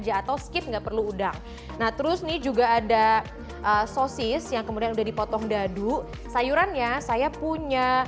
itu seperti seramalu nanti harganya bobby keani yang selalu akan dibusak dengan rendah yet ada